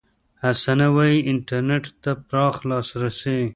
حسنه وايي، انټرنېټ ته پراخ لاسرسي